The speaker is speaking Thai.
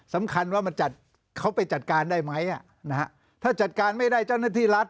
สำคัญว่ามันจัดเขาไปจัดการได้ไหมถ้าจัดการไม่ได้เจ้าหน้าที่รัฐ